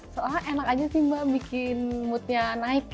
soalnya enak aja sih mbak bikin moodnya naik